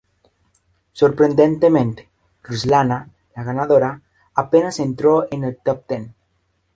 Sorprendentemente, Ruslana, la ganadora, apenas entró en el Top Ten.